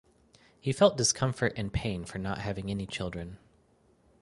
He felt discomfort and pain for not having any children.